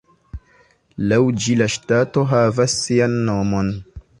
Laŭ ĝi la ŝtato havas sian nomon.